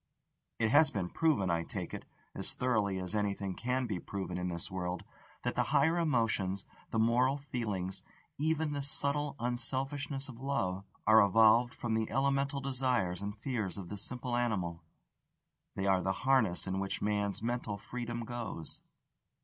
It has been proven, I take it, as thoroughly as anything can be proven in this world, that the higher emotions, the moral feelings, even the subtle unselfishness of love, are evolved from the elemental desires and fears of the simple animal: they are the harness in which man's mental freedom goes.